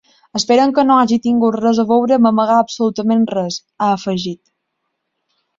Esperem que no hagi tingut res a veure amb amagar absolutament res, ha afegit.